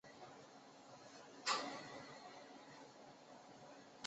郑韩故城遗址是春秋战国时期郑国及韩国都城的遗址。